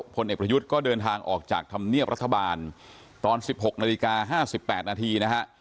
พลเอกประยุทธ์ก็เดินทางออกจากธรรมเนียบรัฐบาลตอน๑๖นาฬิกา๕๘นาทีนะฮะ